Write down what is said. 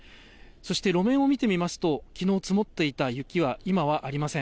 そして路面を見てみますと、きのう積もっていた雪は、今はありません。